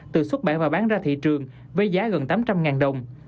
từ xuất bản và bán ra thị trường với giá gần tám trăm linh đồng